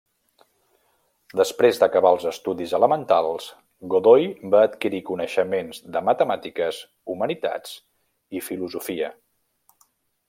Després d'acabar els estudis elementals, Godoy va adquirir coneixements de matemàtiques, humanitats i filosofia.